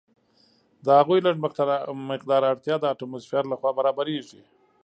د هغوی لږ مقدار اړتیا د اټموسفیر لخوا برابریږي.